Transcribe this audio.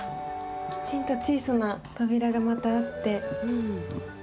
きちんと小さな扉がまたあって。